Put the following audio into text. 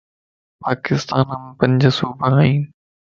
پاڪستان ءَ مَ پنج صوبا ائين